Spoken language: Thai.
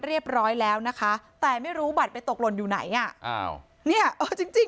เรียบร้อยแล้วนะคะแต่ไม่รู้บัตรไปตกลนอยู่ไหนอ่ะเนี่ยจริง